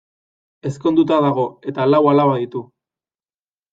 Ezkonduta dago eta lau alaba ditu.